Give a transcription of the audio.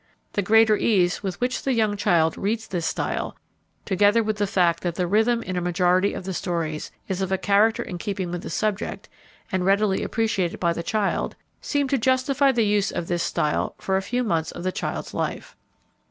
The greater ease with which the young child reads this style, together with the fact that the rhythm in a majority of the stories is of a character in keeping with the subject, and readily appreciated by the child, seem to justify the use of this style for a few months of the child's life.